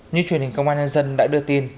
như truyền hình công an nhân dân đã đưa tin